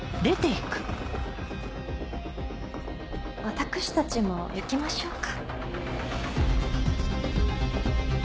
私たちも行きましょうか。